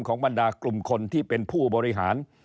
บรรดากลุ่มคนที่เป็นผู้บริหาร